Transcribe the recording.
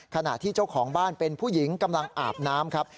ขณะที่เจ้าของบ้านเป็นผู้หญิงกำลังอาบน้ำครับ